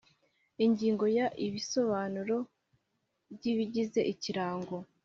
Ingingo ya Ibisobanuro by ibigize ikirango